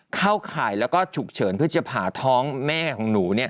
ข่ายแล้วก็ฉุกเฉินเพื่อจะผ่าท้องแม่ของหนู